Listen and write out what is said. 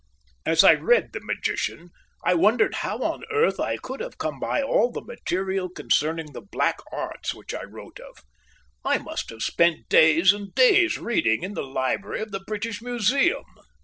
As I read The Magician, I wondered how on earth I could have come by all the material concerning the black arts which I wrote of. I must have spent days and days reading in the library of the British Museum.